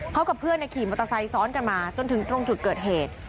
เขากับเพื่อนขี่มอเตอร์ไซค์ซ้อนกันมาจนถึงตรงจุดเกิดเหตุ